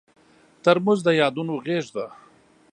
ترموز د یادونو غېږ ده.